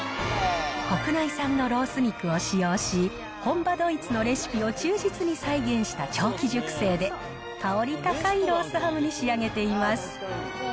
国内産のロース肉を使用し、本場ドイツのレシピを忠実に再現した長期熟成で、薫り高いロースハムに仕上げています。